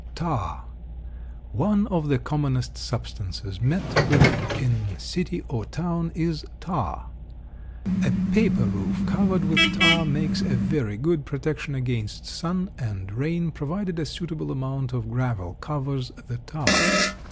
TAR. One of the commonest substances met with in city or town is tar. A paper roof covered with tar makes a very good protection against sun and rain provided a suitable amount of gravel covers the tar.